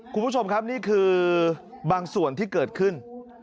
คุณผู้ชมครับนี่คือบางส่วนที่เกิดขึ้น